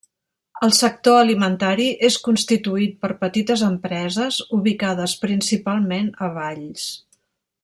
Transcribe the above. El sector alimentari és constituït per petites empreses, ubicades principalment a Valls.